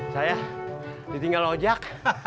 saya ditinggal ojek